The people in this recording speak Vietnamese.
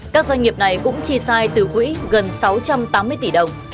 các doanh nghiệp này cũng chi sai từ quỹ gần sáu tỷ đồng